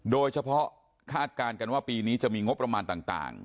คาดการณ์กันว่าปีนี้จะมีงบประมาณต่าง